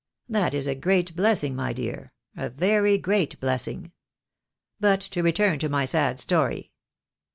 " That is a great blessing, my dear, a very great blessing. But to return to my sad story.